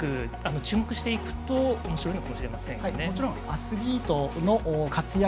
注目していくとおもしろいかもしれませんね。